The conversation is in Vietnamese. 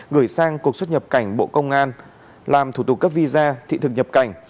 gửi sang cục xuất nhập cảnh bộ công an làm thủ tục cấp visa thị thực nhập cảnh